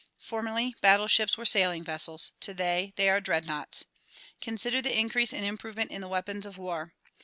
Formerly battleships were sailing vessels; today they are dreadnoughts. Consider the increase and improvement in the weapons of war.